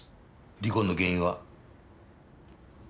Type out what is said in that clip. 離婚の原因は？